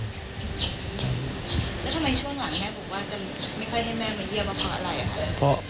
แล้วทำไมช่วงหลังแม่บอกว่าจะไม่ค่อยให้แม่มาเยี่ยมมะพร้าวอะไรคะ